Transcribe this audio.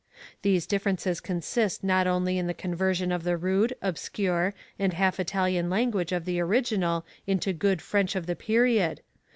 These differences consist not only in the conversion of the rude, obscure, and half Italian language of the original into good French of the period.